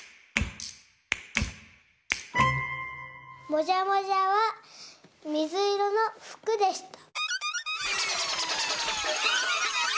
もじゃもじゃはみずいろのふくでした。